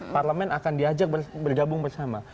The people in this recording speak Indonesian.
parlemen akan diajak bergabung bersama